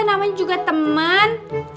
namanya juga temen